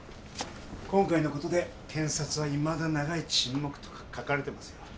今回の事で「検察はいまだ長い沈黙」とか書かれてますよ。